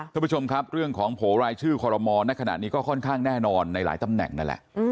คุณผู้ชมครับเรื่องของโผล่รายชื่อคอรมอลในขณะนี้ก็ค่อนข้างแน่นอนในหลายตำแหน่งนั่นแหละ